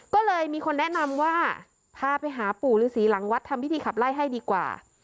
ก็เลยมีคนแนะนำว่าพาไปหาปู่ฤษีหลังวัดทำพิธีขับไล่ให้ดีกว่า